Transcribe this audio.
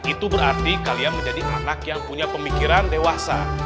itu berarti kalian menjadi anak yang punya pemikiran dewasa